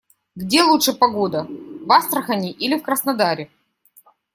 Где лучше погода - в Астрахани или в Краснодаре?